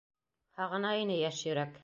Һағына ине йәш йөрәк.